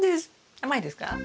甘いですか？